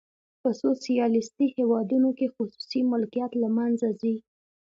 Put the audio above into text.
په سوسیالیستي هیوادونو کې خصوصي ملکیت له منځه ځي.